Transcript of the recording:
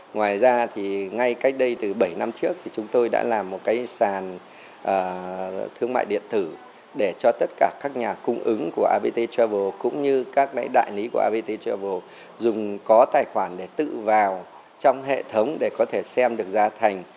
ngoài ra thì ngay cách đây từ bảy năm trước thì chúng tôi đã làm một cái sàn thương mại điện tử để cho tất cả các nhà cung ứng của abt travel cũng như các đại lý của abt travel dùng có tài khoản để tự vào trong hệ thống để có thể xem được giá thành